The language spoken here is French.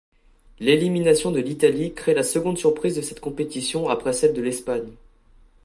L'élimination de l'Italie créé la seconde surprise de cette compétition après celle de l'Espagne.